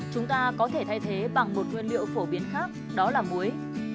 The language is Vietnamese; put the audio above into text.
chúng ta có thể thay thế bằng một nguyên liệu phổ biến khác đó là muối